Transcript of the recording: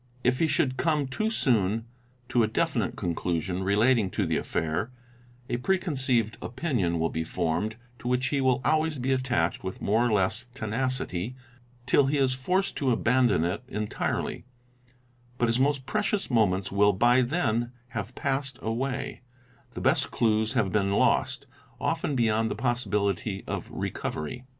If he should come oo soon to a definite conclusion relating to the affair, a preconceived opimion will be formed, to which he will always be attached with more or legs tenacity till he is forced to abandon it entirely: but his most precious moments will by then have passed away, the best clues will have been lost, often beyond the possibi lity of recovery.